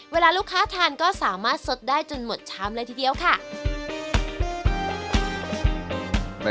เวลาลูกค้าทานก็สามารถสดได้จนหมดชามเลยทีเดียวค่ะ